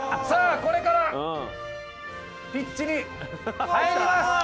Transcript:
これからピッチに入ります！